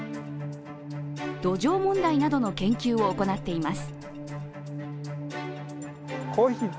土壌問題などの研究を行っています。